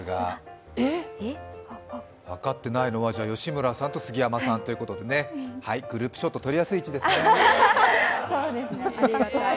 えっ？分かっていないのは、吉村さんと杉山さんということでね、グループショット撮りやすい位置ですね。